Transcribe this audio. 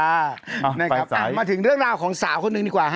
มาถึงเรื่องราวของสาวคนหนึ่งดีกว่า